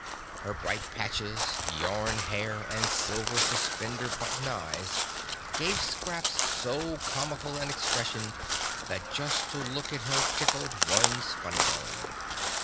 Her bright patches, yarn hair and silver suspender button eyes gave Scraps so comical an expression that just to look at her tickled one's funny bone.